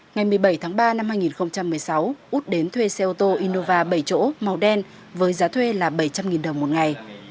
ngày một mươi bảy tháng ba năm hai nghìn một mươi sáu út đến thuê xe ô tô innova bảy chỗ màu đen với giá thuê là bảy trăm linh đồng một ngày